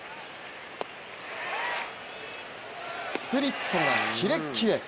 スプリットがキレッキレ！